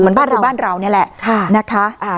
เหมือนกับที่บ้านเรานี่แหละนะคะ